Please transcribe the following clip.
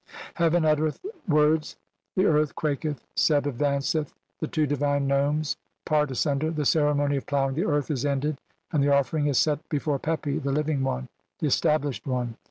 CXLIII (304) "Heaven uttereth words, the earth quaketh, "Seb advanceth, the two divine nomes part asunder, "the ceremony of ploughing the earth is ended, and "the offering is set before Pepi, the living one, the "stablished one.